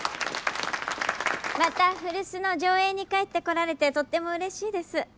また古巣の条映に帰ってこられてとってもうれしいです。